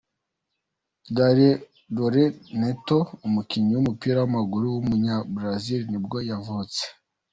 Darcy Dolce Neto, umukinnyi w’umupira w’amaguru w’umunyabrazil nibwo yavutse.